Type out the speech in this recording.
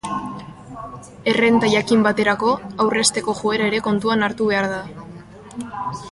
Errenta jakin baterako, aurrezteko joera ere kontuan hartu behar da.